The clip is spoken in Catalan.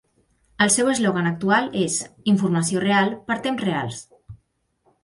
El seu eslògan actual és "Informació real per temps reals".